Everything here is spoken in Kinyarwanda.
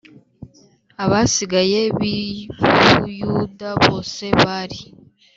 Abasigaye b i buyuda bose bari